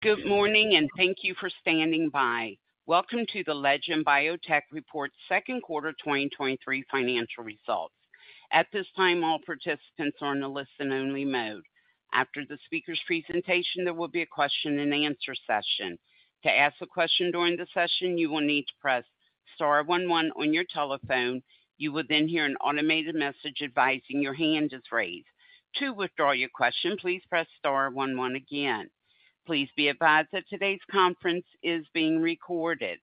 Good morning, and thank you for standing by. Welcome to the Legend Biotech Report second quarter 2023 financial results. At this time, all participants are on a listen-only mode. After the speaker's presentation, there will be a question-and-answer session. To ask a question during the session, you will need to press star 1one one on your telephone. You will then hear an automated message advising your hand is raised. To withdraw your question, please press star one one again. Please be advised that today's conference is being recorded.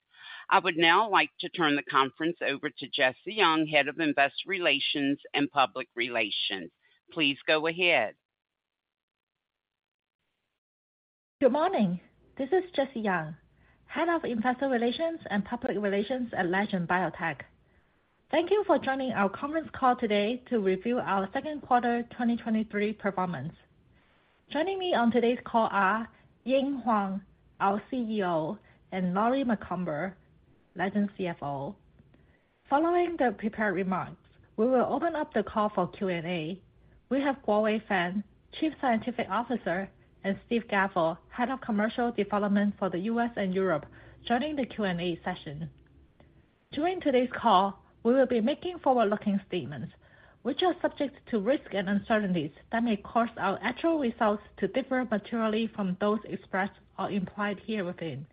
I would now like to turn the conference over to Jessie Yeung, Head of Investor Relations and Public Relations. Please go ahead. Good morning. This is Jessie Yeung, Head of Investor Relations and Public Relations at Legend Biotech. Thank you for joining our conference call today to review our second quarter 2023 performance. Joining me on today's call are Ying Huang, our CEO, and Lori Macomber, Legend CFO. Following the prepared remarks, we will open up the call for Q&A. We have Guowei Fang, Chief Scientific Officer, and Steve Gavel, Head of Commercial Development for the U.S. and Europe, joining the Q&A session. During today's call, we will be making forward-looking statements, which are subject to risks and uncertainties that may cause our actual results to differ materially from those expressed or implied herein.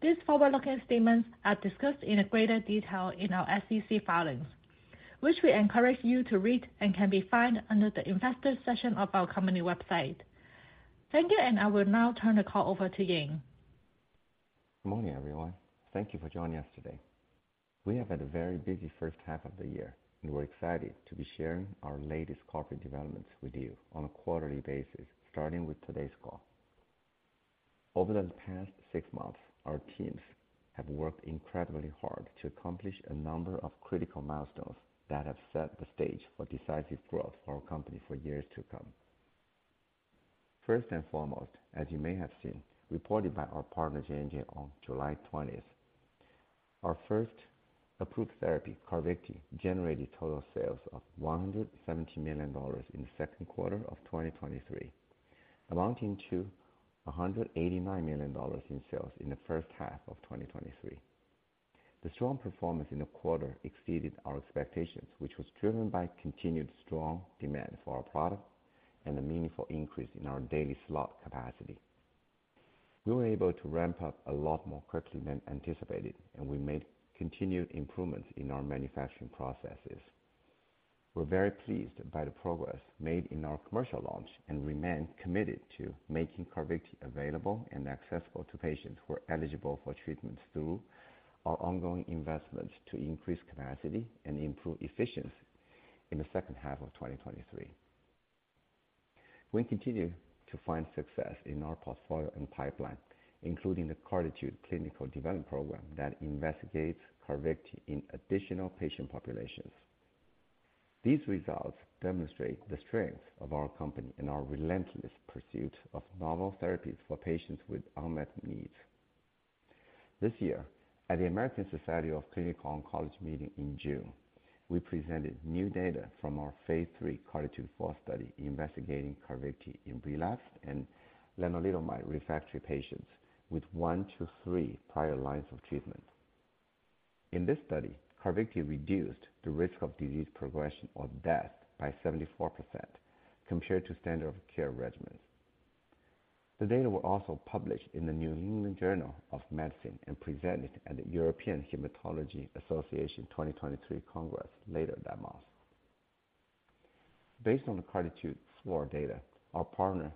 These forward-looking statements are discussed in a greater detail in our SEC filings, which we encourage you to read and can be found under the Investors section of our company website. Thank you. I will now turn the call over to Ying. Good morning, everyone. Thank you for joining us today. We have had a very busy first half of the year, and we're excited to be sharing our latest corporate developments with you on a quarterly basis, starting with today's call. Over the past six months, our teams have worked incredibly hard to accomplish a number of critical milestones that have set the stage for decisive growth for our company for years to come. First and foremost, as you may have seen, reported by our partner, J&J, on July 20th, our first approved therapy, CARVYKTI, generated total sales of $170 million in the second quarter of 2023, amounting to $189 million in sales in the first half of 2023. The strong performance in the quarter exceeded our expectations, which was driven by continued strong demand for our product and a meaningful increase in our daily slot capacity. We were able to ramp up a lot more quickly than anticipated, and we made continued improvements in our manufacturing processes. We're very pleased by the progress made in our commercial launch, and remain committed to making CARVYKTI available and accessible to patients who are eligible for treatment through our ongoing investments to increase capacity and improve efficiency in the second half of 2023. We continue to find success in our portfolio and pipeline, including the CARTITUDE clinical development program that investigates CARVYKTI in additional patient populations. These results demonstrate the strength of our company and our relentless pursuit of novel therapies for patients with unmet needs. This year, at the American Society of Clinical Oncology meeting in June, we presented new data from our phase 3 CARTITUDE-4 study investigating CARVYKTI in relapsed and lenalidomide-refractory patients with one to three prior lines of treatment. In this study, CARVYKTI reduced the risk of disease progression or death by 74% compared to standard of care regimens. The data were also published in the New England Journal of Medicine and presented at the European Hematology Association 2023 Congress later that month. Based on the CARTITUD-4 data, our partner,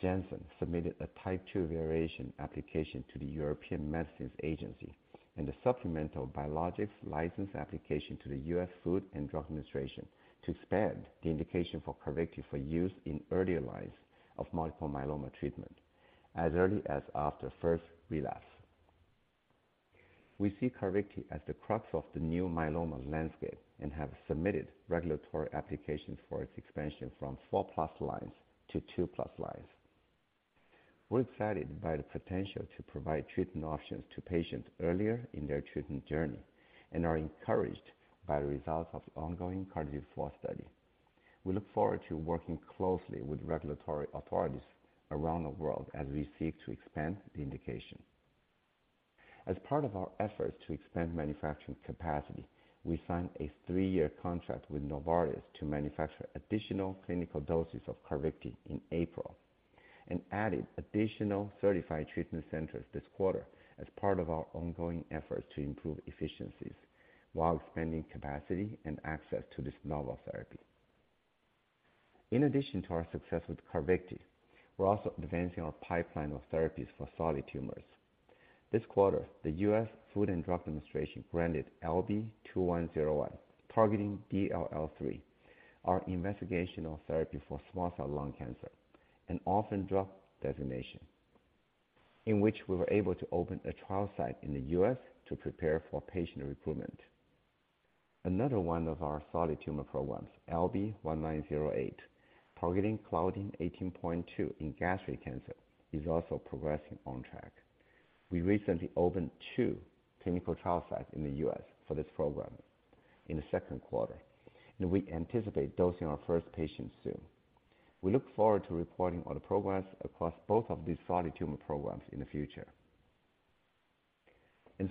Janssen, submitted a Type II Variation Application to the European Medicines Agency and a supplemental Biologics License Application to the U.S. Food and Drug Administration to expand the indication for CARVYKTI for use in earlier lines of multiple myeloma treatment as early as after first relapse. We see CARVYKTI as the crux of the new myeloma landscape and have submitted regulatory applications for its expansion from 4+ lines to 2+ lines. We're excited by the potential to provide treatment options to patients earlier in their treatment journey and are encouraged by the results of the ongoing CARTITUDE-4 study. We look forward to working closely with regulatory authorities around the world as we seek to expand the indication. As part of our efforts to expand manufacturing capacity, we signed a 3-year contract with Novartis to manufacture additional clinical doses of CARVYKTI in April and added additional certified treatment centers this quarter as part of our ongoing efforts to improve efficiencies while expanding capacity and access to this novel therapy. In addition to our success with CARVYKTI, we're also advancing our pipeline of therapies for solid tumors. This quarter, the U.S. Food and Drug Administration granted LB2102, targeting DLL3, our investigational therapy for small cell lung cancer, an Orphan Drug Designation, in which we were able to open a trial site in the U.S. to prepare for patient recruitment. Another one of our solid tumor programs, LB1908, targeting Claudin 18.2 in gastric cancer, is also progressing on track. We recently opened 2 clinical trial sites in the U.S. for this program in the second quarter, and we anticipate dosing our first patients soon. We look forward to reporting on the progress across both of these solid tumor programs in the future.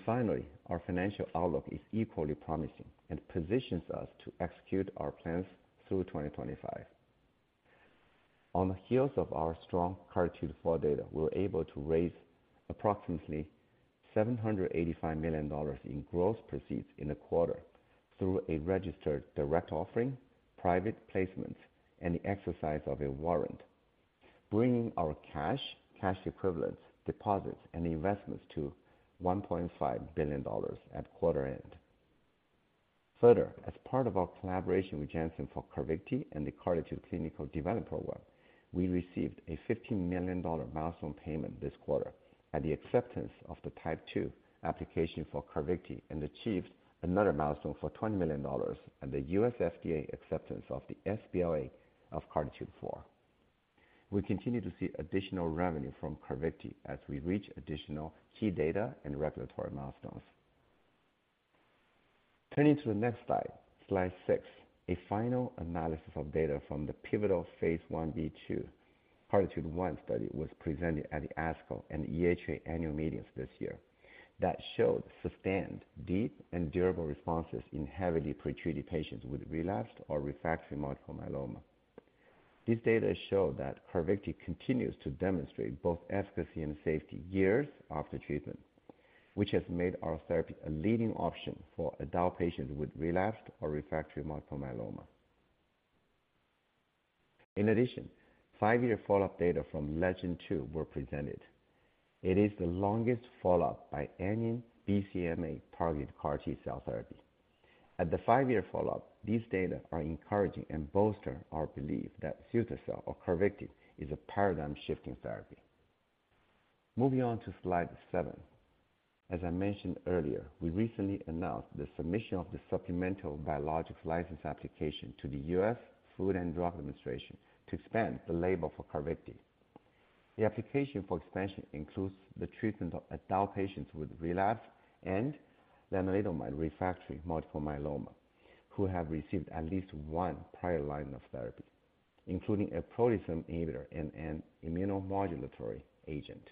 Finally, our financial outlook is equally promising and positions us to execute our plans through 2025. On the heels of our strong CARTITUDE-4 data, we were able to raise approximately $785 million in gross proceeds in the quarter through a registered direct offering, private placement, and the exercise of a warrant, bringing our cash, cash equivalents, deposits, and investments to $1.5 billion at quarter end. As part of our collaboration with Janssen for CARVYKTI and the CAR T cell clinical development program, we received a $15 million milestone payment this quarter at the acceptance of the Type II application for CARVYKTI, and achieved another milestone for $20 million at the U.S. FDA acceptance of the sBLA of CARTITUDE-4. We continue to see additional revenue from CARVYKTI as we reach additional key data and regulatory milestones. Turning to the next slide, slide 6. A final analysis of data from the pivotal phase 1b/2 CARTITUDE-1 study was presented at the ASCO and EHA annual meetings this year that showed sustained, deep, and durable responses in heavily pre-treated patients with relapsed or refractory multiple myeloma. These data show that CARVYKTI continues to demonstrate both efficacy and safety 5-years after treatment, which has made our therapy a leading option for adult patients with relapsed or refractory multiple myeloma. In addition, 5-year follow-up data from LEGEND-2 were presented. It is the longest follow-up by any BCMA targeted CAR T cell therapy. At the 5-year follow-up, these data are encouraging and bolster our belief that cilta-cel or CARVYKTI is a paradigm-shifting therapy. Moving on to slide 7. As I mentioned earlier, we recently announced the submission of the supplemental Biologics License Application to the U.S. Food and Drug Administration to expand the label for CARVYKTI. The application for expansion includes the treatment of adult patients with relapsed and lenalidomide-refractory multiple myeloma, who have received at least one prior line of therapy, including a proteasome inhibitor and an immunomodulatory agent.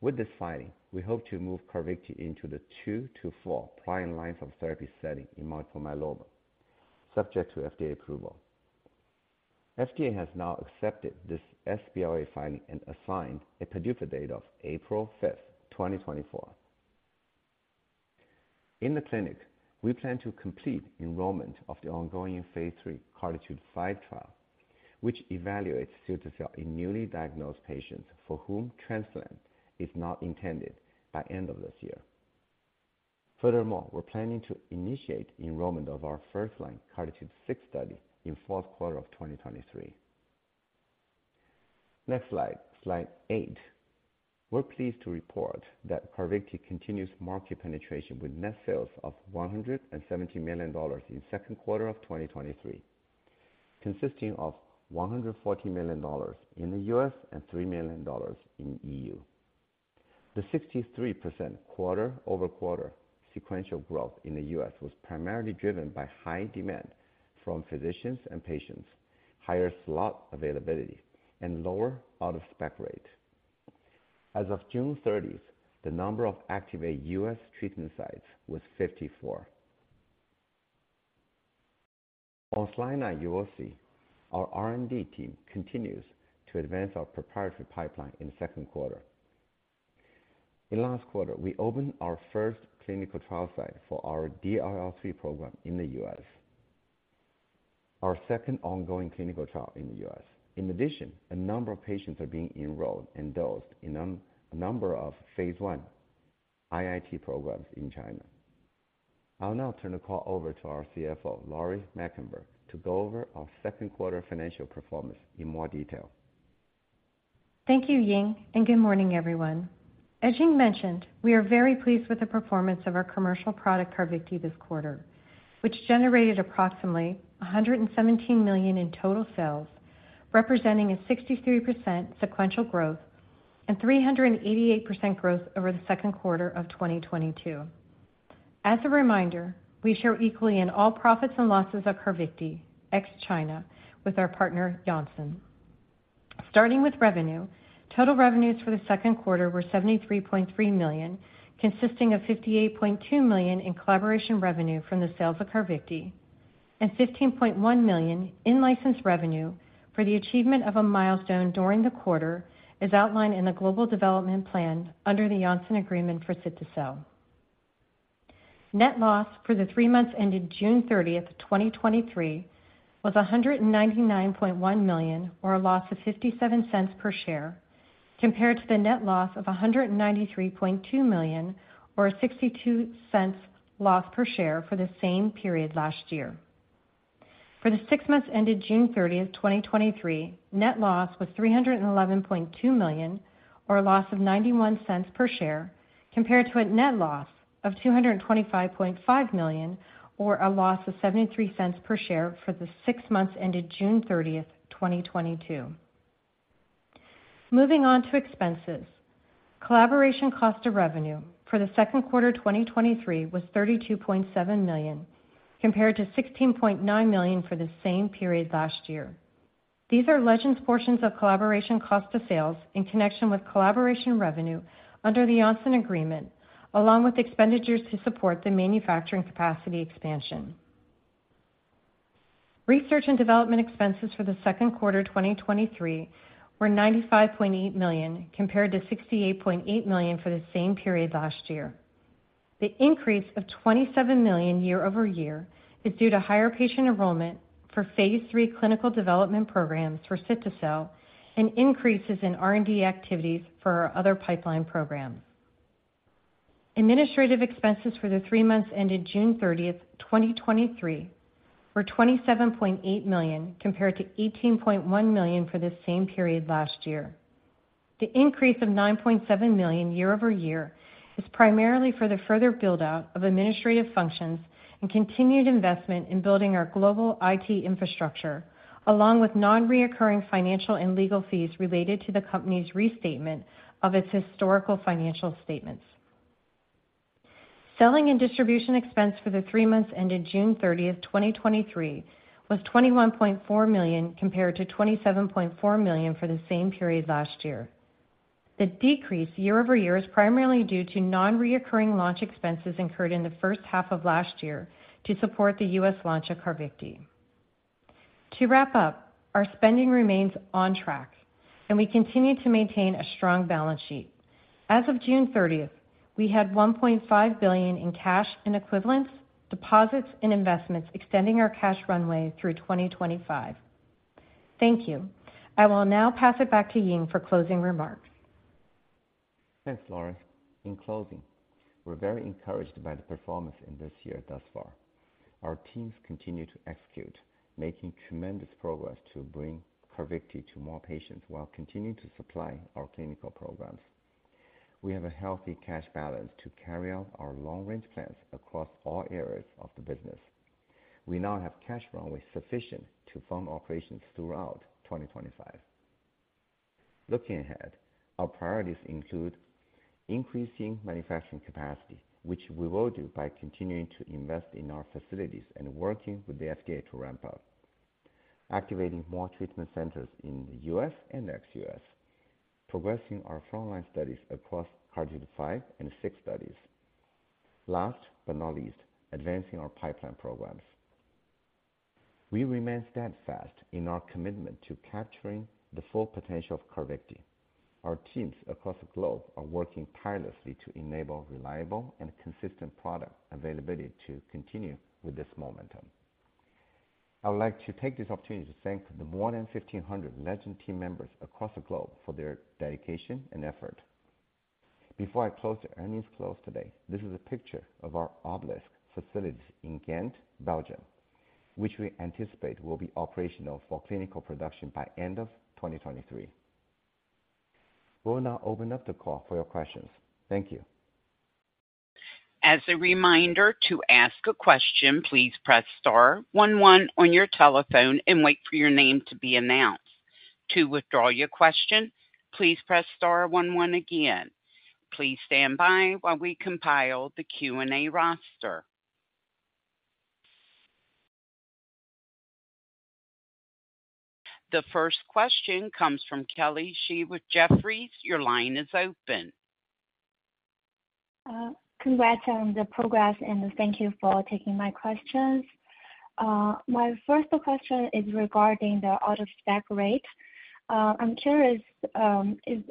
With this filing, we hope to move CARVYKTI into the two to four prior lines of therapy setting in multiple myeloma, subject to FDA approval. FDA has now accepted this sBLA filing and assigned a PDUFA date of April 5, 2024. In the clinic, we plan to complete enrollment of the ongoing phase 3 CARTITUDE-5 trial, which evaluates cilta-cel in newly diagnosed patients for whom transplant is not intended by end of this year. Furthermore, we're planning to initiate enrollment of our first-line CARTITUDE-6 study in fourth quarter of 2023. Next slide, slide 8. We're pleased to report that CARVYKTI continues market penetration with net sales of $117 million in second quarter of 2023, consisting of $114 million in the US and $3 million in EU. The 63% quarter-over-quarter sequential growth in the U.S. was primarily driven by high demand from physicians and patients, higher slot availability, and lower out-of-spec rate. As of June 30th, the number of activate U.S. treatment sites was 54. On slide 9, you will see our R&D team continues to advance our proprietary pipeline in the second quarter. In last quarter, we opened our first clinical trial site for our DLL3 program in the U.S., our second ongoing clinical trial in the U.S. In addition, a number of patients are being enrolled and dosed in a number of phase I IIT programs in China. I'll now turn the call over to our CFO, Lori Macomber, to go over our second quarter financial performance in more detail. Thank you, Ying. Good morning, everyone. As Ying mentioned, we are very pleased with the performance of our commercial product, CARVYKTI, this quarter, which generated approximately $117 million in total sales, representing a 63% sequential growth and 388% growth over the second quarter of 2022. As a reminder, we share equally in all profits and losses of CARVYKTI, ex-China, with our partner, Janssen. Starting with revenue, total revenues for the second quarter were $73.3 million, consisting of $58.2 million in collaboration revenue from the sales of CARVYKTI and $15.1 million in license revenue for the achievement of a milestone during the quarter, as outlined in the global development plan under the Janssen agreement for cilta-cel. Net loss for the three months ended June 30, 2023, was $199.1 million, or a loss of $0.57 per share, compared to the net loss of $193.2 million, or $0.62 loss per share for the same period last year. For the six months ended June 30, 2023, net loss was $311.2 million, or a loss of $0.91 per share, compared to a net loss of $225.5 million, or a loss of $0.73 per share for the six months ended June 30, 2022. Moving on to expenses. Collaboration cost of revenue for the second quarter 2023 was $32.7 million, compared to $16.9 million for the same period last year. These are Legend's portions of collaboration cost of sales in connection with collaboration revenue under the Janssen agreement, along with expenditures to support the manufacturing capacity expansion. Research and development expenses for the second quarter 2023 were $95.8 million, compared to $68.8 million for the same period last year. The increase of $27 million year-over-year is due to higher patient enrollment for phase III clinical development programs for cilta-cel and increases in R&D activities for our other pipeline programs. Administrative expenses for the three months ended June 30, 2023, were $27.8 million, compared to $18.1 million for the same period last year. The increase of $9.7 million year-over-year is primarily for the further build-out of administrative functions and continued investment in building our global IT infrastructure, along with non-recurring financial and legal fees related to the company's restatement of its historical financial statements. Selling and distribution expense for the three months ended June 30, 2023, was $21.4 million, compared to $27.4 million for the same period last year. The decrease year-over-year is primarily due to non-recurring launch expenses incurred in the first half of last year to support the U.S. launch of CARVYKTI. To wrap up, our spending remains on track, and we continue to maintain a strong balance sheet. As of June 30, we had $1.5 billion in cash and equivalents, deposits and investments extending our cash runway through 2025. Thank you. I will now pass it back to Ying for closing remarks. Thanks, Lori. In closing, we're very encouraged by the performance in this year thus far. Our teams continue to execute, making tremendous progress to bring CARVYKTI to more patients while continuing to supply our clinical programs. We have a healthy cash balance to carry out our long-range plans across all areas of the business. We now have cash runway sufficient to fund operations throughout 2025. Looking ahead, our priorities include increasing manufacturing capacity, which we will do by continuing to invest in our facilities and working with the FDA to ramp up, activating more treatment centers in the U.S. and ex-U.S., progressing our frontline studies across CAR T 5 and 6 studies. Last but not least, advancing our pipeline programs. We remain steadfast in our commitment to capturing the full potential of CARVYKTI. Our teams across the globe are working tirelessly to enable reliable and consistent product availability to continue with this momentum. I would like to take this opportunity to thank the more than 1,500 Legend team members across the globe for their dedication and effort. Before I close the earnings call today, this is a picture of our facilities in Ghent, Belgium, which we anticipate will be operational for clinical production by end of 2023. We will now open up the call for your questions. Thank you. As a reminder, to ask a question, please press star one one on your telephone and wait for your name to be announced. To withdraw your question, please press star one one again. Please stand by while we compile the Q&A roster. The first question comes from Kelly Shi with Jefferies. Your line is open. Congrats on the progress, thank you for taking my questions. My first question is regarding the out-of-spec rate. I'm curious, is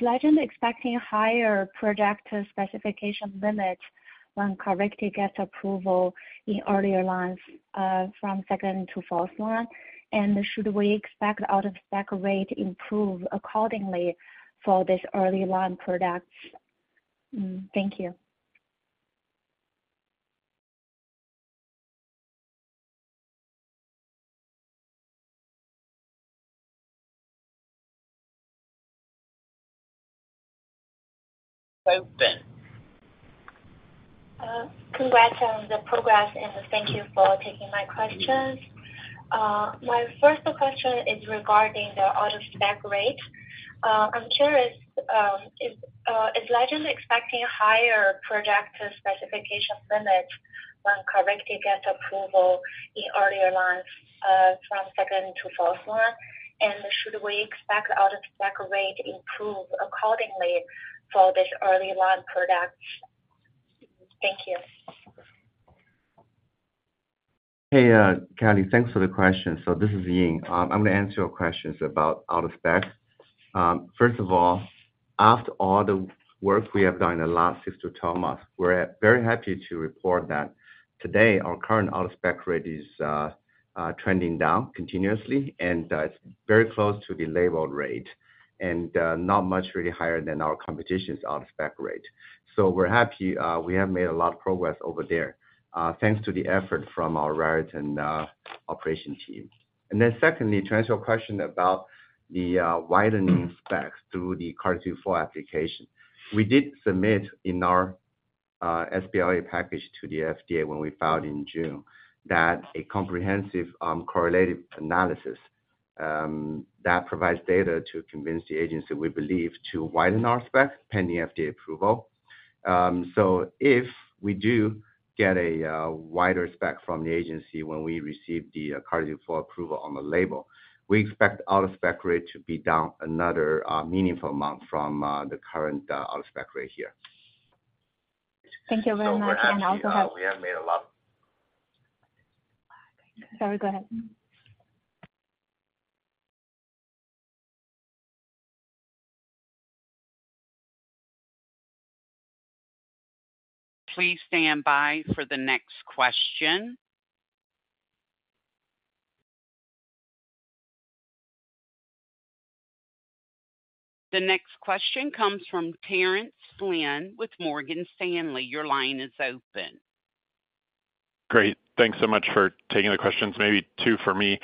Legend expecting higher projected specification limits when CARVYKTI gets approval in earlier lines, from second to fourth line? Should we expect out-of-spec rate improve accordingly for this early line products? Thank you. Open. Congrats on the progress, and thank you for taking my questions. My first question is regarding the out-of-spec rate. I'm curious, is Legend expecting higher projected specification limits when CARVYKTI gets approval in earlier lines, from second to fourth line? Should we expect out-of-spec rate improve accordingly for this early line products? Thank you. Hey, Kelly, thanks for the question. This is Ying. I'm gonna answer your questions about out-of-spec. First of all, after all the work we have done in the last 6-12 months, we're very happy to report that today our current out-of-spec rate is trending down continuously, and it's very close to the labeled rate and not much really higher than our competition's out-of-spec rate. We're happy. We have made a lot of progress over there, thanks to the effort from our Raritan and-... operation team. Then secondly, to answer your question about the widening specs through the CARTITUDE-4 application, we did submit in our sBLA package to the FDA when we filed in June, that a comprehensive correlative analysis that provides data to convince the agency, we believe, to widen our spec pending FDA approval. If we do get a wider spec from the agency when we receive the CARTITUDE-4 approval on the label, we expect out-of-spec rate to be down another meaningful amount from the current out-of-spec rate here. Thank you very much. I also have- We have made Sorry, go ahead. Please stand by for the next question. The next question comes from Terrence Flynn with Morgan Stanley. Your line is open. Great. Thanks so much for taking the questions. Maybe 2 for me.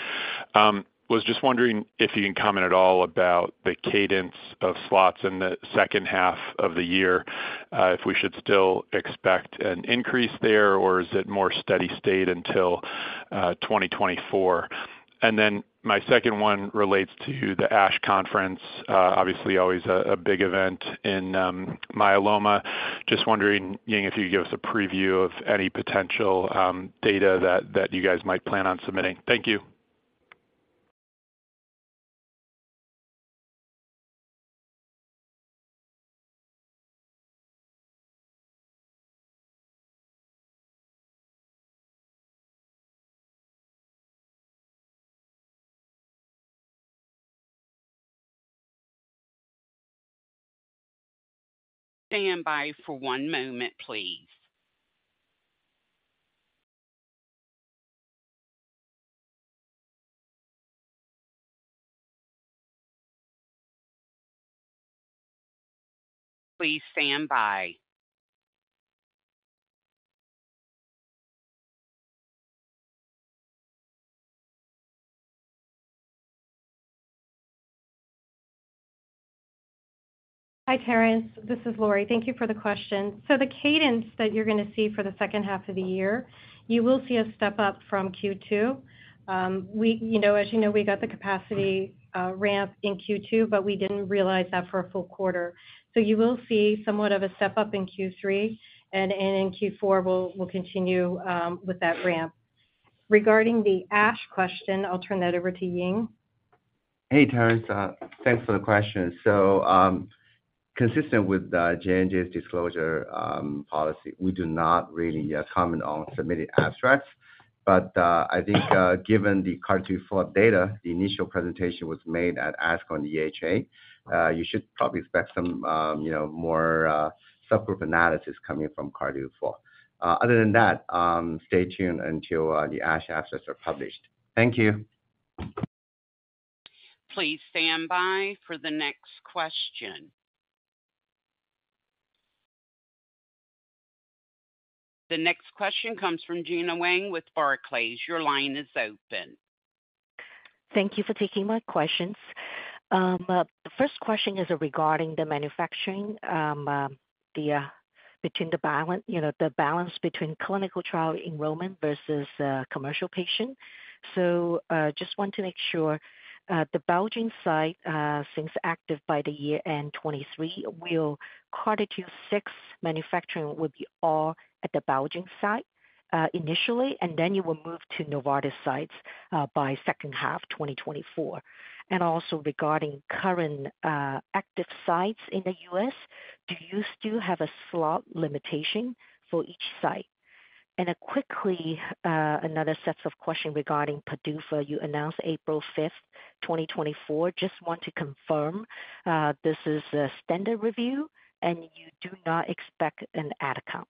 was just wondering if you can comment at all about the cadence of slots in the second half of the year, if we should still expect an increase there, or is it more steady state until 2024? My second one relates to the ASH conference. obviously, always a big event in myeloma. Just wondering, Ying, if you could give us a preview of any potential data that, that you guys might plan on submitting. Thank you. Stand by for one moment, please. Please stand by. Hi, Terence, this is Lori. Thank you for the question. The cadence that you're going to see for the second half of the year, you will see a step-up from Q2. We, you know, as you know, we got the capacity ramp in Q2, but we didn't realize that for a full quarter. You will see somewhat of a step-up in Q3, and, and in Q4, we'll, we'll continue with that ramp. Regarding the ASH question, I'll turn that over to Ying. Hey, Terence, thanks for the question. Consistent with the J&J's disclosure policy, we do not really comment on submitted abstracts. I think, given the CARTITUDE-4 data, the initial presentation was made at ASH on the EHA. You should probably expect some, you know, more subgroup analysis coming from CARTITUDE-4. Other than that, stay tuned until the ASH abstracts are published. Thank you. Please stand by for the next question. The next question comes from Gena Wang with Barclays. Your line is open. Thank you for taking my questions. The first question is regarding the manufacturing, the balance, you know, the balance between clinical trial enrollment versus commercial patient. Just want to make sure the Belgium site, since active by the year end 2023, will CARTITUDE-6 manufacturing be all at the Belgium site initially, and then you will move to Novartis sites by second half 2024? Also regarding current active sites in the U.S., do you still have a slot limitation for each site? Quickly, another set of questions regarding PDUFA. You announced April 5, 2024. Just want to confirm this is a standard review, and you do not expect an ad hoc count.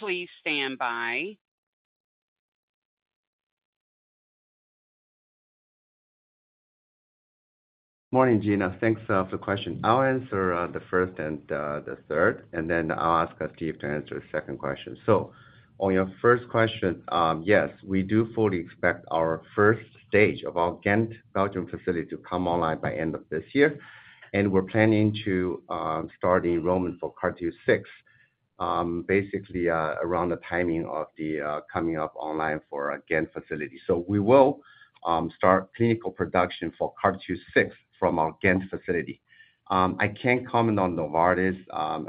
Please stand by. Morning, Gena. Thanks for the question. I'll answer the first and the third, and then I'll ask Steve to answer the second question. On your first question, yes, we do fully expect our first stage of our Ghent, Belgium, facility to come online by end of this year, and we're planning to start the enrollment for CARTITUDE-6... basically around the timing of the coming up online for our Ghent facility. We will start clinical production for CARTITUDE-6 from our Ghent facility. I can't comment on Novartis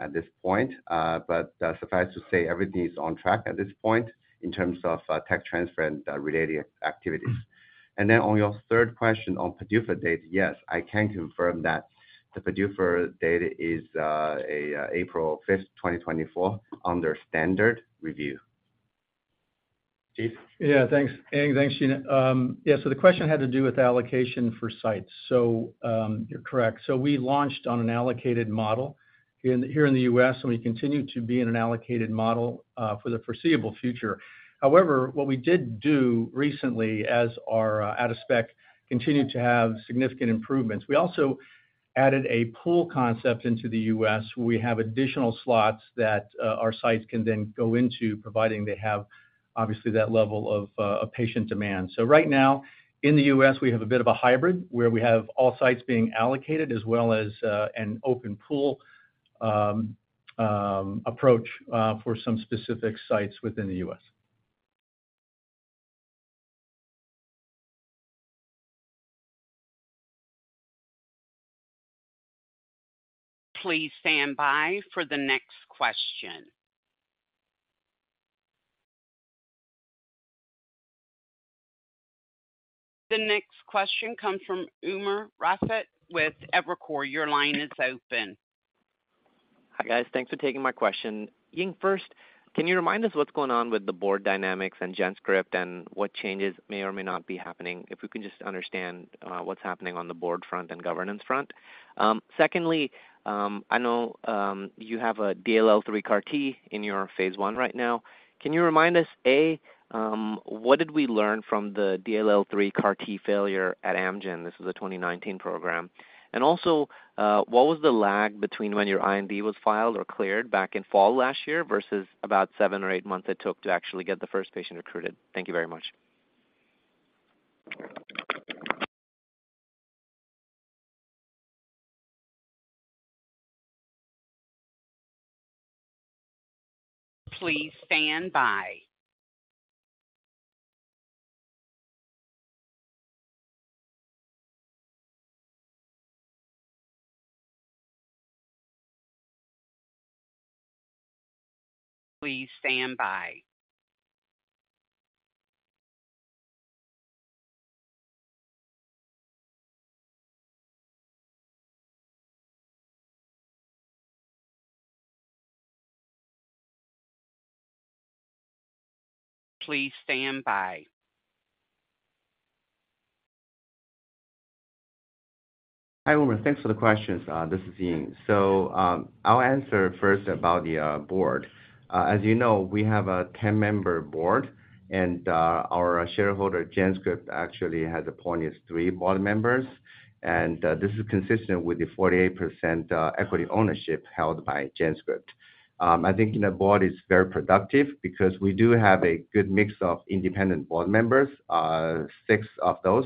at this point, but suffice to say, everything is on track at this point in terms of tech transfer and related activities. Then on your third question on PDUFA date, yes, I can confirm that the PDUFA date is, April 5, 2024, under standard review. Steve? Thanks, and thanks, Ying. The question had to do with allocation for sites. You're correct. We launched on an allocated model here, here in the U.S., and we continue to be in an allocated model for the foreseeable future. However, what we did do recently as our out-of-spec continued to have significant improvements, we also added a pool concept into the U.S., where we have additional slots that our sites can then go into, providing they have, obviously, that level of patient demand. Right now, in the U.S., we have a bit of a hybrid, where we have all sites being allocated as well as an open pool approach for some specific sites within the U.S. Please stand by for the next question. The next question comes from Umer Raffat with Evercore. Your line is open. Hi, guys. Thanks for taking my question. Ying, first, can you remind us what's going on with the board dynamics and GenScript, and what changes may or may not be happening? If we can just understand what's happening on the board front and governance front. Secondly, I know you have a DLL3 CAR-T in your phase I right now. Can you remind us, A, what did we learn from the DLL3 CAR-T failure at Amgen? This was a 2019 program. Also, what was the lag between when your IND was filed or cleared back in fall last year versus about 7 or 8 months it took to actually get the first patient recruited? Thank you very much. Please stand by. Please stand by. Please stand by. Hi, Umer. Thanks for the questions. This is Ying. I'll answer first about the board. As you know, we have a 10-member board. Our shareholder, GenScript, actually, has appointed three board members. This is consistent with the 48% equity ownership held by GenScript. I think the board is very productive because we do have a good mix of independent board members, six of those,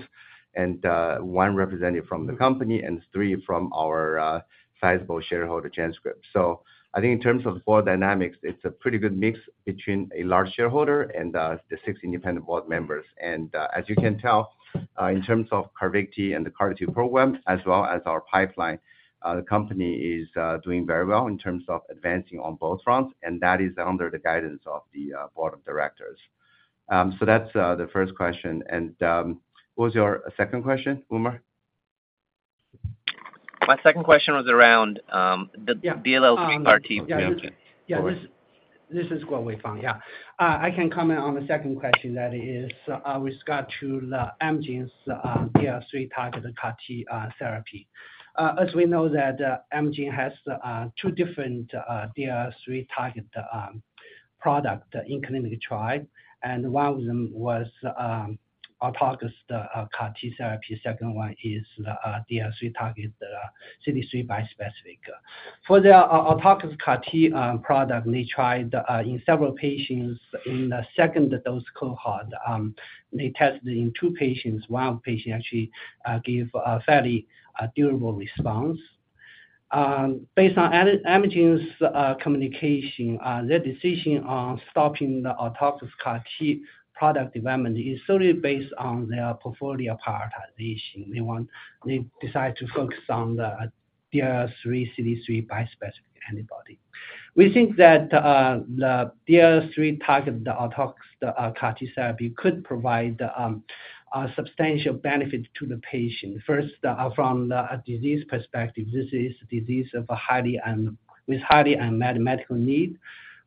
one representative from the company and three from our sizable shareholder, GenScript. I think in terms of board dynamics, it's a pretty good mix between a large shareholder and the six independent board members. As you can tell, in terms of CARVYKTI and the CAR T program, as well as our pipeline, the company is doing very well in terms of advancing on both fronts, and that is under the guidance of the board of directors. That's the first question. What was your second question, Umer? My second question was around. Yeah. DLL CAR-T program. Yeah. Sorry. This is Guowei Fang. Yeah. I can comment on the second question that is with regard to the Amgen's DLL3-targeted CAR-T therapy. As we know that Amgen has 2 different DLL3 target product in clinical trial, and 1 of them was autologous CAR-T therapy. Second one is the DLL3 target, the CD3 bispecific. For the autologous CAR-T product, they tried in several patients in the second dose cohort. They tested in 2 patients. 1 patient actually gave a fairly durable response. Based on Amgen's communication, their decision on stopping the autologous CAR-T product development is solely based on their portfolio prioritization. They decide to focus on the DLL3 CD3 bispecific antibody. We think that the DLL3 target, the autologous CAR-T therapy, could provide substantial benefits to the patient. First, from the disease perspective, this is a disease of a highly unmet medical need.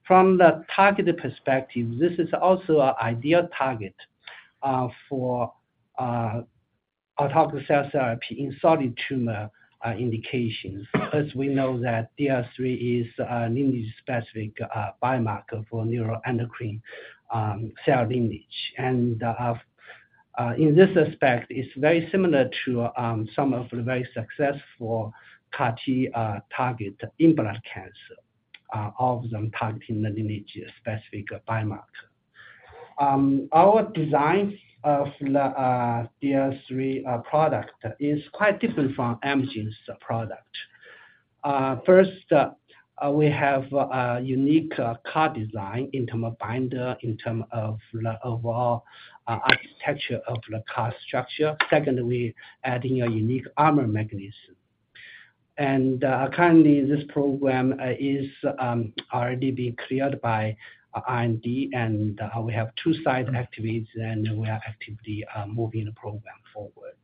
From the targeted perspective, this is also an ideal target for autologous cell therapy in solid tumor indications. As we know, that DLL3 is an lineage-specific biomarker for neuroendocrine cell lineage. In this aspect, it's very similar to some of the very successful CAR-T target in breast cancer, of them targeting the lineage-specific biomarker. Our design of the DLL3 product is quite different from Amgen's product. First, we have a unique CAR design in term of binder, in term of the overall architecture of the CAR structure. Secondly, adding a unique armor mechanism. Currently, this program is already being cleared by IND, and we have 2 site activities, and we have activity moving the program forward.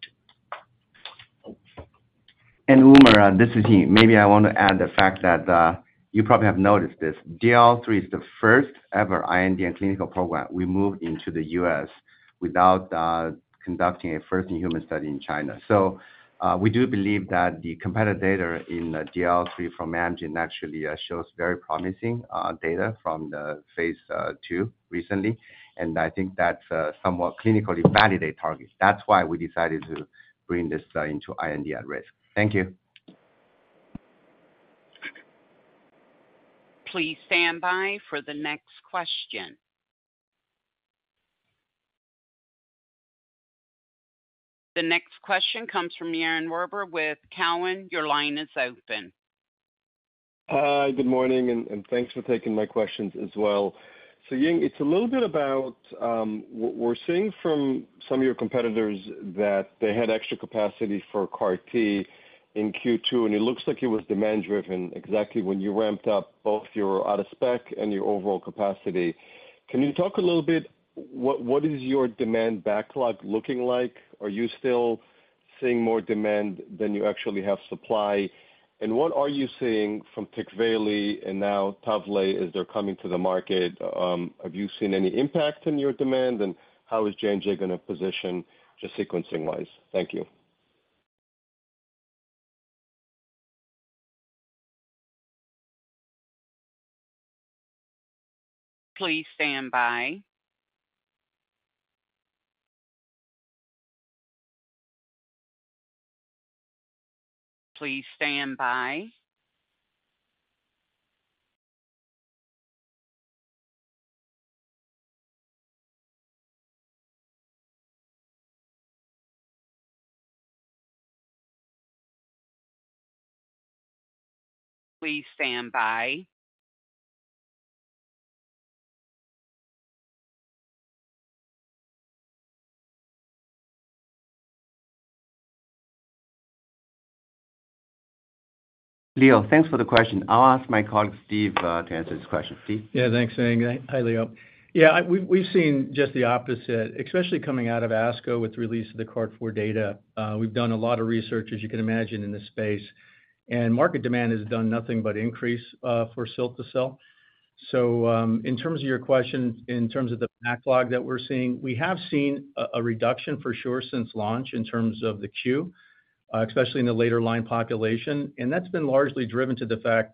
Umer, this is Ying. Maybe I want to add the fact that, you probably have noticed this, DLL3 is the first ever IND and clinical program we moved into the U.S. without conducting a first-in-human study in China. We do believe that the competitive data in the DLL3 from Amgen actually shows very promising data from the phase 2 recently, and I think that's somewhat clinically validate targets. That's why we decided to bring this into IND at risk. Thank you. Please stand by for the next question. The next question comes from Yaron Werber with Cowen. Your line is open. Hi, good morning, and, and thanks for taking my questions as well. Ying, it's a little bit about what we're seeing from some of your competitors, that they had extra capacity for CAR-T in Q2, and it looks like it was demand-driven, exactly when you ramped up both your out-of-spec and your overall capacity. Can you talk a little bit, what, what is your demand backlog looking like? Are you still seeing more demand than you actually have supply? What are you seeing from TECVAYLI and now TALVEY as they're coming to the market, have you seen any impact in your demand? How is JNJ going to position just sequencing-wise? Thank you. Please stand by. Please stand by. Please stand by. Leo, thanks for the question. I'll ask my colleague, Steve, to answer this question. Steve? Yeah, thanks, Ying. Hi, Leo. Yeah, we've, we've seen just the opposite, especially coming out of ASCO with release of the CARTITUDE-4 data. We've done a lot of research, as you can imagine, in this space, and market demand has done nothing but increase for cilta-cel. In terms of your question, in terms of the backlog that we're seeing, we have seen a, a reduction for sure, since launch in terms of the queue, especially in the later line population, and that's been largely driven to the fact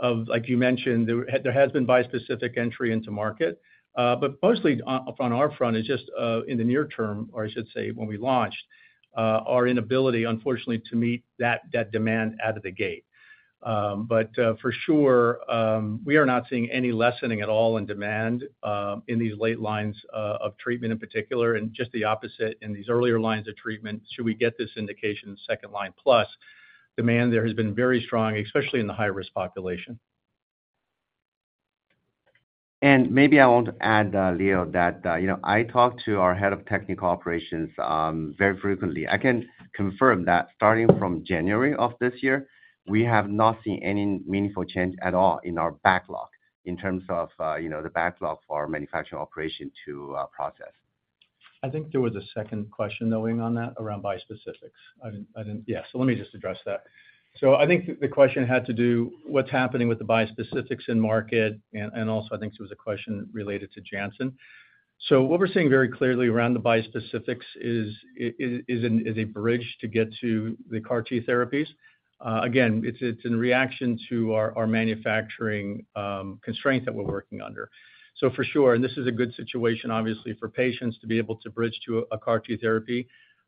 of, like you mentioned, there, there has been bispecific entry into market. But mostly on our front, it's just in the near term, or I should say, when we launched, our inability, unfortunately, to meet that, that demand out of the gate. For sure, we are not seeing any lessening at all in demand, in these late lines of treatment in particular, and just the opposite in these earlier lines of treatment, should we get this indication in second-line plus. Demand there has been very strong, especially in the high-risk population. Maybe I want to add, Leo, that, you know, I talk to our head of technical operations, very frequently. I can confirm that starting from January of this year, we have not seen any meaningful change at all in our backlog in terms of, you know, the backlog for our manufacturing operation to process. I think there was a second question, though, Ying, on that, around bispecifics. Yeah, let me just address that. I think the question had to do what's happening with the bispecifics in market, and also I think there was a question related to Janssen. What we're seeing very clearly around the bispecifics is a bridge to get to the CAR T therapies. Again, it's in reaction to our manufacturing constraint that we're working under. For sure, and this is a good situation, obviously, for patients to be able to bridge to a CAR T therapy,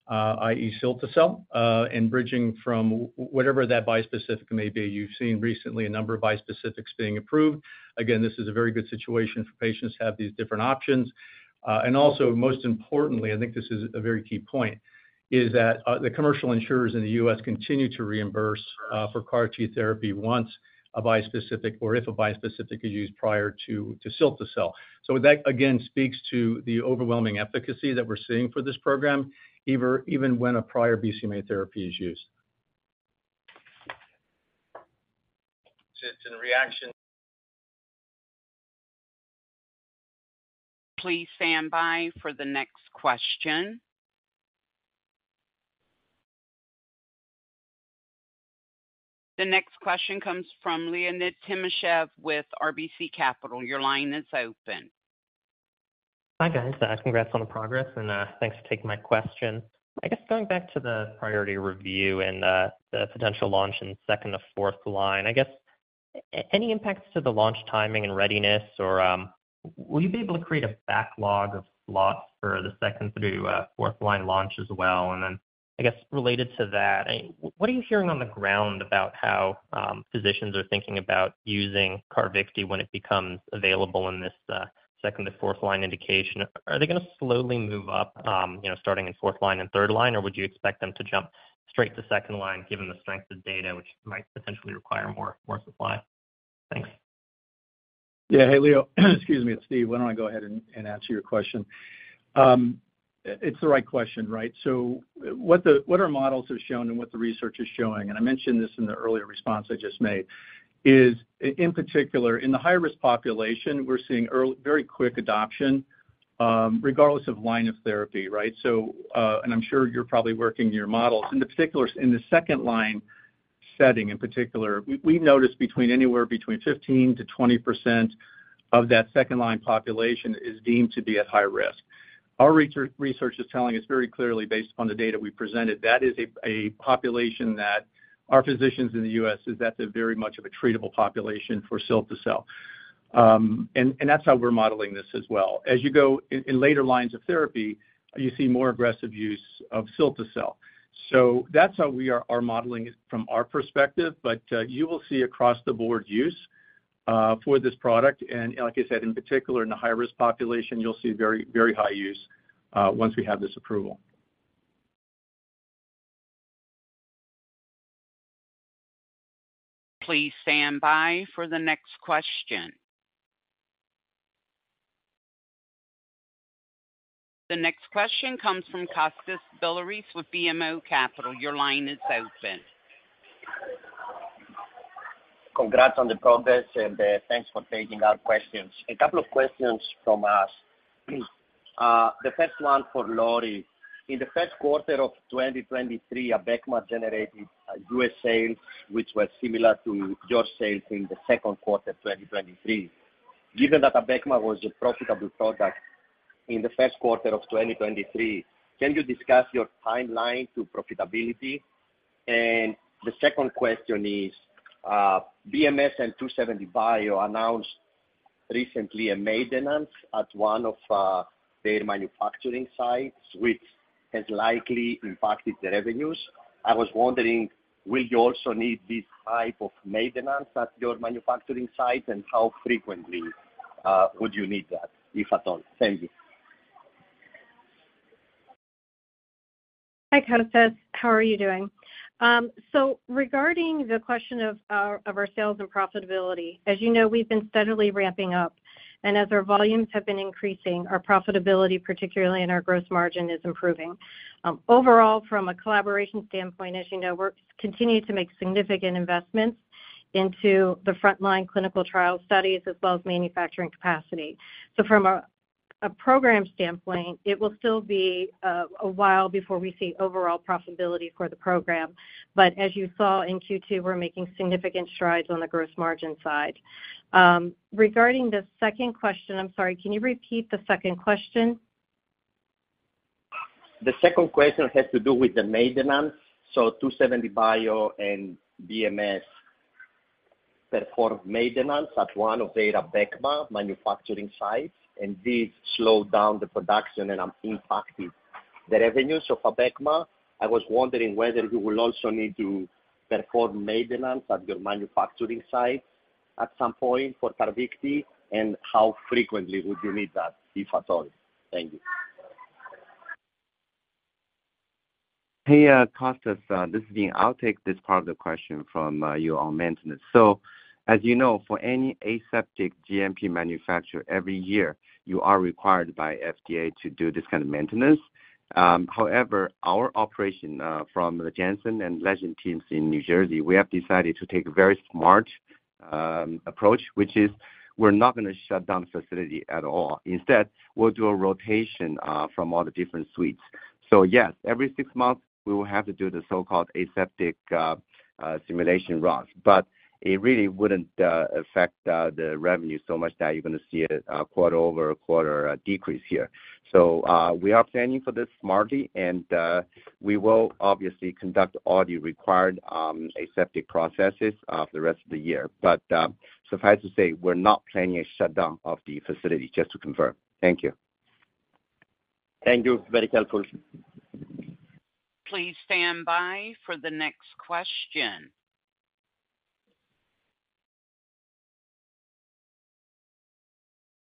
i.e., cilta-cel, and bridging from whatever that bispecific may be. You've seen recently a number of bispecifics being approved. Again, this is a very good situation for patients to have these different options. Also, most importantly, I think this is a very key point, is that the commercial insurers in the U.S. continue to reimburse for CAR-T therapy once a bispecific or if a bispecific is used prior to cilta-cel. That, again, speaks to the overwhelming efficacy that we're seeing for this program, even when a prior BCMA therapy is used. It's in reaction- Please stand by for the next question. The next question comes from Leonid Timashev with RBC Capital. Your line is open. Hi, guys. congrats on the progress, and thanks for taking my question. I guess going back to the priority review and the potential launch in second to fourth line, I guess, any impacts to the launch timing and readiness, or will you be able to create a backlog of slots for the second through fourth line launch as well?... I guess related to that, what are you hearing on the ground about how physicians are thinking about using CARVYKTI when it becomes available in this, 2nd to 4th line indication? Are they going to slowly move up, you know, starting in 4th line and 3rd line, or would you expect them to jump straight to 2nd line given the strength of data, which might potentially require more, more supply? Thanks. Yeah. Hey, Leo. Excuse me. It's Steve. Why don't I go ahead and answer your question? It's the right question, right? What our models have shown and what the research is showing, and I mentioned this in the earlier response I just made, is in particular, in the high-risk population, we're seeing very quick adoption, regardless of line of therapy, right? I'm sure you're probably working your models. In the 2nd line setting, in particular, we've noticed anywhere between 15%-20% of that 2nd line population is deemed to be at high-risk. Our research is telling us very clearly, based upon the data we presented, that is a population that our physicians in the U.S. that's a very much of a treatable population for cilta-cel. And that's how we're modeling this as well. As you go in, in later lines of therapy, you see more aggressive use of cilta-cel. That's how we are, are modeling it from our perspective, but, you will see across the board use, for this product. Like I said, in particular, in the high-risk population, you'll see very, very high use, once we have this approval. Please stand by for the next question. The next question comes from Kostas Biliouris with BMO Capital. Your line is open. Congrats on the progress, thanks for taking our questions. A couple of questions from us. The first one for Lori. In the first quarter of 2023, Abecma generated $ sales, which were similar to your sales in the second quarter of 2023. Given that Abecma was a profitable product in the first quarter of 2023, can you discuss your timeline to profitability? The second question is, BMS and 2seventy bio announced recently a maintenance at one of their manufacturing sites, which has likely impacted the revenues. I was wondering, will you also need this type of maintenance at your manufacturing site? How frequently would you need that, if at all? Thank you. Hi, Kostas. How are you doing? Regarding the question of our, of our sales and profitability, as you know, we've been steadily ramping up, and as our volumes have been increasing, our profitability, particularly in our gross margin, is improving. Overall, from a collaboration standpoint, as you know, we're continuing to make significant investments into the frontline clinical trial studies as well as manufacturing capacity. From a, a program standpoint, it will still be a while before we see overall profitability for the program. As you saw in Q2, we're making significant strides on the gross margin side. Regarding the second question, I'm sorry, can you repeat the second question? The second question has to do with the maintenance. 2seventy bio and BMS performed maintenance at one of their Abecma manufacturing sites, and this slowed down the production and impacted the revenues of Abecma. I was wondering whether you will also need to perform maintenance at your manufacturing site at some point for CARVYKTI, and how frequently would you need that, if at all? Thank you. Hey, Kostas, this is Ying. I'll take this part of the question from you on maintenance. As you know, for any aseptic GMP manufacturer, every year, you are required by FDA to do this kind of maintenance. However, our operation from the Janssen and Legend teams in New Jersey, we have decided to take a very smart approach, which is we're not going to shut down the facility at all. Instead, we'll do a rotation from all the different suites. Yes, every six months, we will have to do the so-called aseptic simulation runs, but it really wouldn't affect the revenue so much that you're going to see a quarter-over-quarter decrease here. We are planning for this smartly, we will obviously conduct all the required aseptic processes for the rest of the year. Suffice to say, we're not planning a shutdown of the facility, just to confirm. Thank you. Thank you. Very helpful. Please stand by for the next question.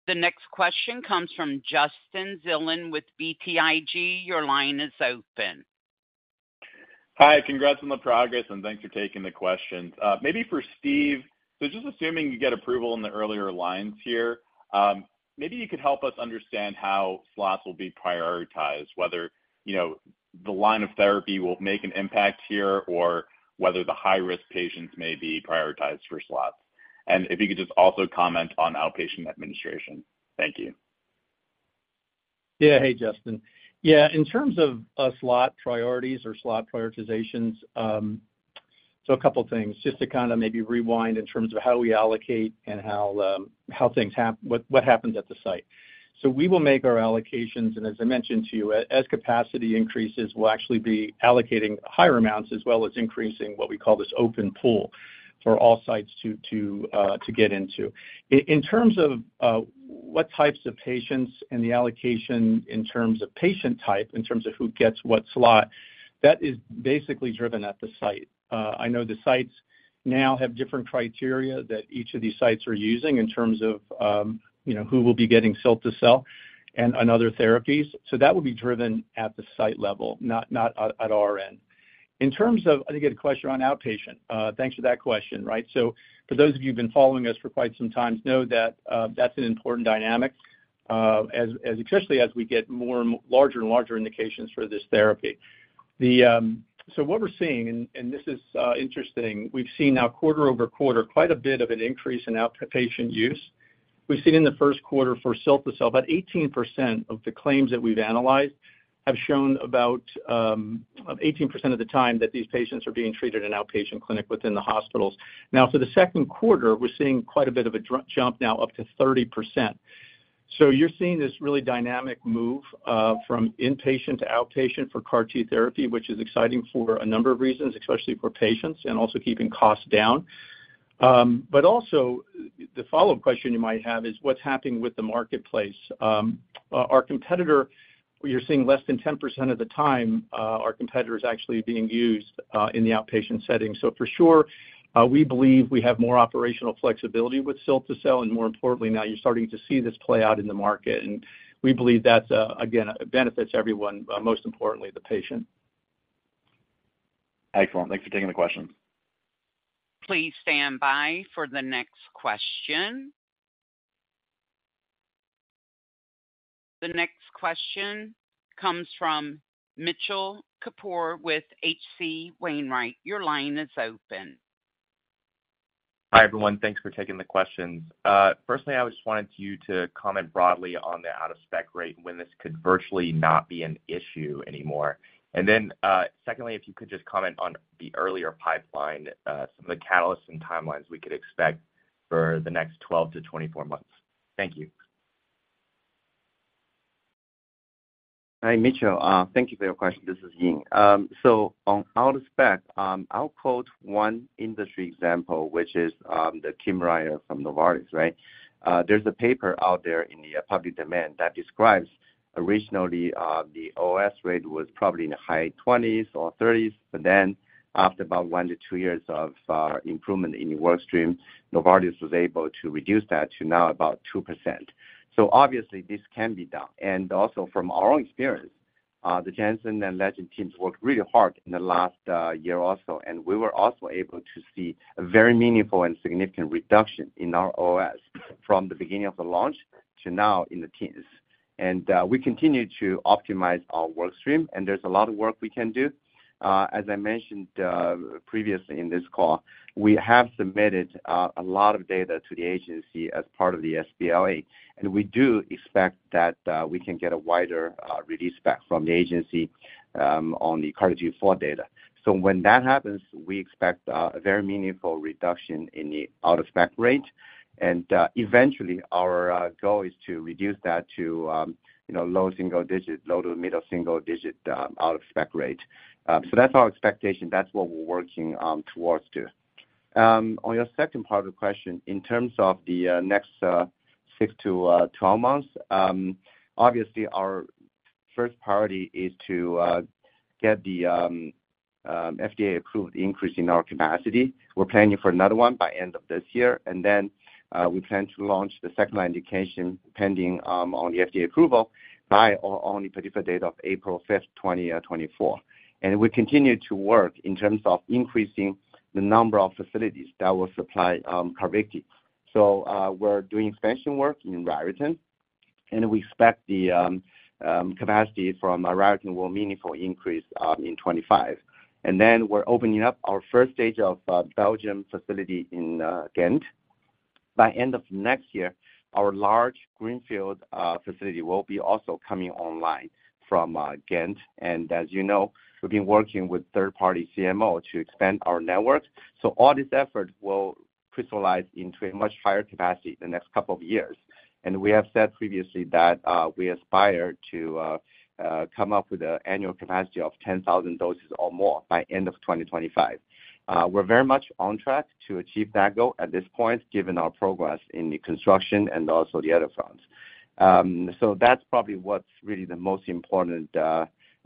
The next question comes from Justin Zelin with BTIG. Your line is open. Hi, congrats on the progress, and thanks for taking the questions. maybe for Steve, so just assuming you get approval in the earlier lines here, maybe you could help us understand how slots will be prioritized, whether, you know, the line of therapy will make an impact here or whether the high-risk patients may be prioritized for slots. If you could just also comment on outpatient administration. Thank you. Yeah. Hey, Justin. Yeah, in terms of, slot priorities or slot prioritizations, a couple of things, just to kind of maybe rewind in terms of how we allocate and how, how things what, what happens at the site. We will make our allocations, and as I mentioned to you, as capacity increases, we'll actually be allocating higher amounts, as well as increasing what we call this open pool for all sites to, to, to get into. In, in terms of.... what types of patients and the allocation in terms of patient type, in terms of who gets what slot, that is basically driven at the site. I know the sites now have different criteria that each of these sites are using in terms of, you know, who will be getting cilta-cel and, and other therapies. That would be driven at the site level, not, not at, at our end. In terms of, I think you had a question on outpatient. Thanks for that question, right? For those of you who've been following us for quite some time know that that's an important dynamic, especially as we get more and larger and larger indications for this therapy. The, what we're seeing, and, and this is interesting, we've seen now quarter-over-quarter, quite a bit of an increase in outpatient use. We've seen in the first quarter for cilta-cel, about 18% of the claims that we've analyzed have shown about 18% of the time that these patients are being treated in outpatient clinic within the hospitals. Now, for the second quarter, we're seeing quite a bit of a jump now up to 30%. You're seeing this really dynamic move from inpatient to outpatient for CAR-T therapy, which is exciting for a number of reasons, especially for patients and also keeping costs down. Also, the follow-up question you might have is, what's happening with the marketplace? Our competitor, we are seeing less than 10% of the time, our competitor is actually being used, in the outpatient setting. For sure, we believe we have more operational flexibility with cilta-cel, and more importantly, now you're starting to see this play out in the market. We believe that's, again, benefits everyone, most importantly, the patient. Excellent. Thanks for taking the question. Please stand by for the next question. The next question comes from Mitchell Kapoor with H.C. Wainwright. Your line is open. Hi, everyone. Thanks for taking the questions. Firstly, I just wanted you to comment broadly on the out-of-spec rate and when this could virtually not be an issue anymore. Then, secondly, if you could just comment on the earlier pipeline, some of the catalysts and timelines we could expect for the next 12 to 24 months. Thank you. Hi, Mitchell. Thank you for your question. This is Ying. On out-of-spec, I'll quote one industry example, which is the Kymriah from Novartis, right? There's a paper out there in the public domain that describes originally, the OS rate was probably in the high 20s or 30s, but then after about 1 to 2 years of improvement in the work stream, Novartis was able to reduce that to now about 2%. Obviously, this can be done. From our own experience, the Janssen and Legend teams worked really hard in the last year or so, and we were also able to see a very meaningful and significant reduction in our OS from the beginning of the launch to now in the teens. We continue to optimize our work stream, and there's a lot of work we can do. As I mentioned, previously in this call, we have submitted a lot of data to the agency as part of the sBLA, and we do expect that we can get a wider release back from the agency on the CARTITUDE-4 data. When that happens, we expect a very meaningful reduction in the out-of-spec rate, and eventually, our goal is to reduce that to, you know, low single digit, low to mid of single digit out-of-spec rate. That's our expectation. That's what we're working towards to. On your second part of the question, in terms of the next 6-12 months, our first priority is to get the FDA-approved increase in our capacity. We're planning for another one by end of this year. We plan to launch the second-line indication, pending on the FDA approval, by or on the particular date of April 5, 2024. We continue to work in terms of increasing the number of facilities that will supply CARVYKTI. We're doing expansion work in Raritan. We expect the capacity from Raritan will meaningfully increase in 2025. We're opening up our first stage of Belgium facility in Ghent. By end of 2024, our large greenfield facility will be also coming online from Ghent. As you know, we've been working with third-party CMO to expand our network. All this effort will crystallize into a much higher capacity the next couple of years. We have said previously that we aspire to come up with an annual capacity of 10,000 doses or more by end of 2025. We're very much on track to achieve that goal at this point, given our progress in the construction and also the other fronts. That's probably what's really the most important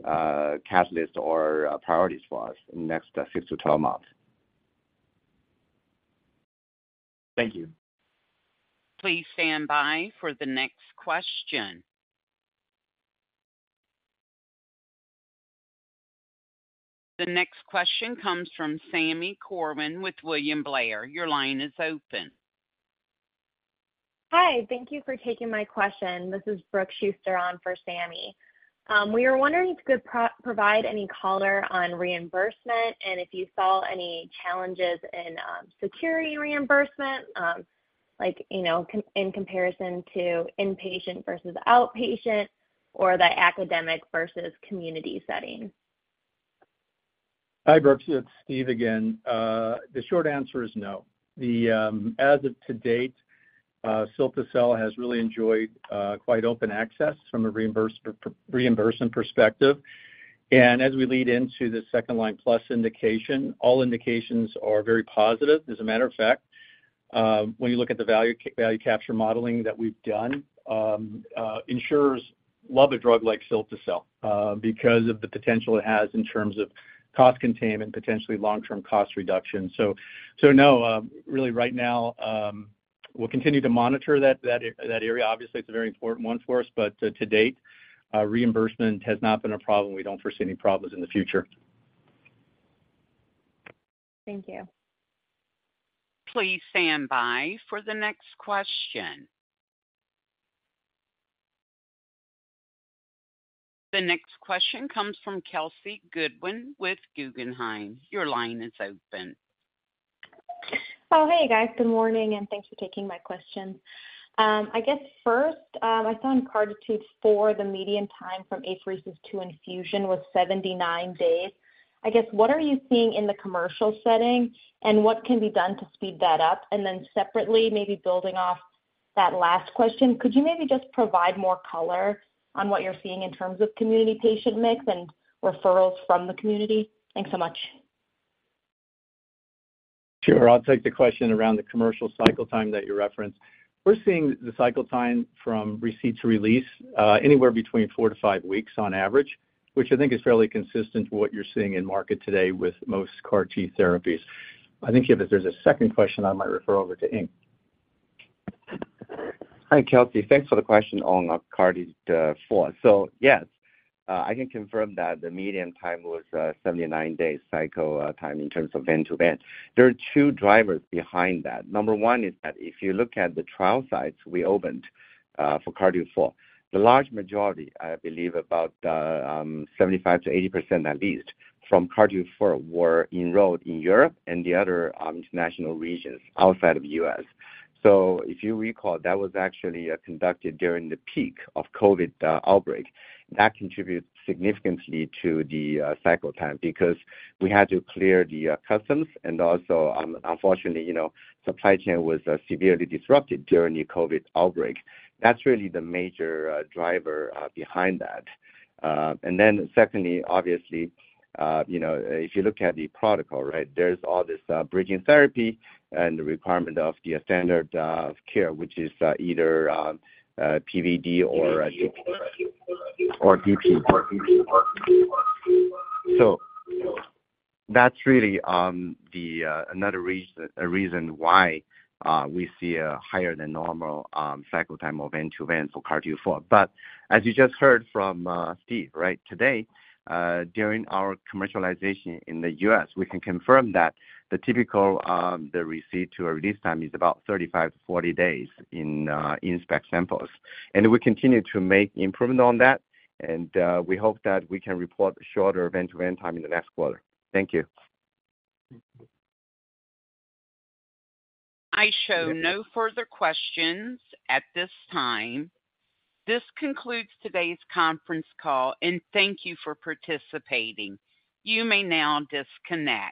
catalyst or priorities for us in the next 6-12 months. Thank you. Please stand by for the next question. The next question comes from Brooke Schuster with William Blair. Your line is open. Hi, thank you for taking my question. This is Brooke Schuster on for Sammy. We were wondering if you could provide any color on reimbursement and if you saw any challenges in security reimbursement, like, you know, in comparison to inpatient versus outpatient or the academic versus community setting? Hi, Brooke. It's Steve again. The short answer is no. The, as of to date, Cilta-cel has really enjoyed, quite open access from a reimbursement perspective. As we lead into the second-line plus indication, all indications are very positive. As a matter of fact, when you look at the value capture modeling that we've done, insurers love a drug like Cilta-cel, because of the potential it has in terms of cost containment, potentially long-term cost reduction. No, really right now, we'll continue to monitor that, that, that area. Obviously, it's a very important one for us, but to, to date, reimbursement has not been a problem. We don't foresee any problems in the future. Thank you. Please stand by for the next question. The next question comes from Kelsey Goodwin with Guggenheim. Your line is open. Oh, hey, guys. Good morning, and thanks for taking my questions. I guess first, I saw in CARTITUDE-4, the median time from apheresis to infusion was 79 days. I guess, what are you seeing in the commercial setting, and what can be done to speed that up? Then separately, maybe building off that last question, could you maybe just provide more color on what you're seeing in terms of community patient mix and referrals from the community? Thanks so much. Sure. I'll take the question around the commercial cycle time that you referenced. We're seeing the cycle time from receipt to release, anywhere between four to five weeks on average, which I think is fairly consistent with what you're seeing in market today with most CAR T therapies. I think, if there's a second question, I might refer over to Ying. Hi, Kelsey. Thanks for the question on CARTITUDE-4. Yes, I can confirm that the median time was 79 days cycle time in terms of vein-to-vein. There are two drivers behind that. Number one is that if you look at the trial sites we opened for CARTITUDE-4, the large majority, I believe about 75%-80%, at least from CARTITUDE-4, were enrolled in Europe and the other international regions outside of the U.S. If you recall, that was actually conducted during the peak of COVID outbreak. That contributes significantly to the cycle time because we had to clear the customs and also, unfortunately, you know, supply chain was severely disrupted during the COVID outbreak. That's really the major driver behind that. Secondly, obviously, you know, if you look at the protocol, right, there's all this bridging therapy and the requirement of the standard care, which is either PVd or DPd. That's really the another reason, a reason why we see a higher than normal cycle time of vent to vent for CARTITUDE-4. As you just heard from Steve, right today, during our commercialization in the U.S., we can confirm that the typical the receipt to our release time is about 35 to 40 days in-spec samples. We hope that we can report shorter vent to vent time in the next quarter. Thank you. I show no further questions at this time. This concludes today's conference call, and thank you for participating. You may now disconnect.